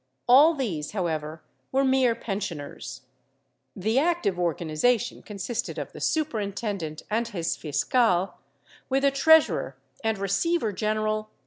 All these, however, were mere pensioners. The active organization consisted of the super intendent and his fiscal, with a treasurer and receiver general ^ Archive hist, nacional, Leg.